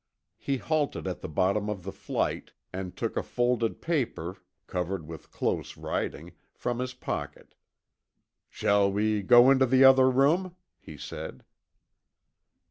He halted at the bottom of the flight, and took a folded paper, covered with close writing, from his pocket. "Shall we go into the other room?" he said.